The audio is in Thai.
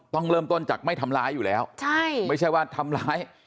ต้องเริ่มต้นจากไม่ทำร้ายอยู่แล้วใช่ไม่ใช่ว่าทำร้าย